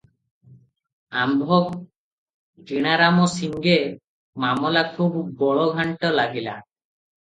ଆମ୍ଭ କିଣାରାମ ସିଙ୍ଗେ! ମାମଲା ଖୁବ୍ ଗୋଳଘାଣ୍ଟ ଲାଗିଲା ।